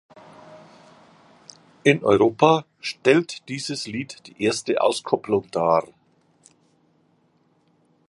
In Europa stellt dieses Lied die erste Auskopplung dar.